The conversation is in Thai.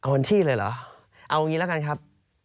วันที่เลยเหรอเอางี้แล้วกันครับ